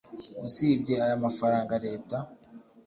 usibye aya mafaranga leta